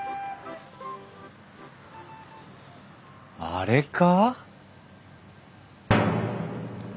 あれか？